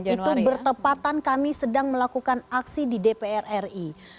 itu bertepatan kami sedang melakukan aksi di dpr ri